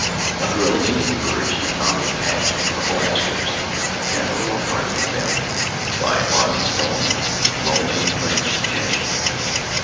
Under a leaning birch he found a patch of purple asters, and a little apart from them, by a mossy stone, a lonely fringed gentian.